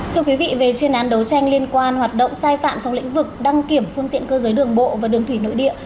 thưa quý vị về chuyên án đấu tranh liên quan hoạt động sai phạm trong lĩnh vực đăng kiểm phương tiện cơ giới đường bộ và đường thủy nội địa